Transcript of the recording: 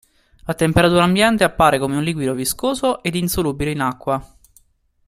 A temperatura ambiente appare come un liquido viscoso ed insolubile in acqua.